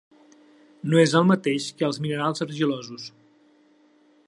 No és el mateix que els minerals argilosos.